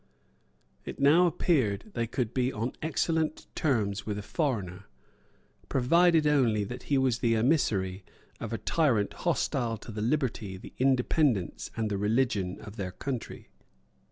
It now appeared they could be on excellent terms with a foreigner, provided only that he was the emissary of a tyrant hostile to the liberty, the independence, and the religion of their country.